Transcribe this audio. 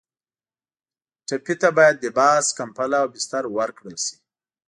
ټپي ته باید لباس، کمپله او بستر ورکړل شي.